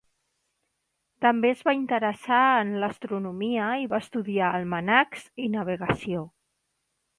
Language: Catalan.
També es va interessar en l'astronomia i va estudiar almanacs i navegació.